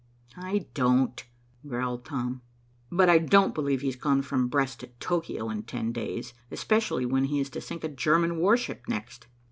"I don't," growled Tom. "But I don't believe he's gone from Brest to Tokio in ten days, especially when he is to sink a German warship next."